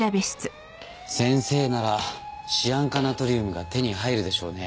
先生ならシアン化ナトリウムが手に入るでしょうね。